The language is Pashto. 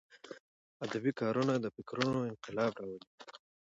ادبي کارونه د فکرونو انقلاب راولي.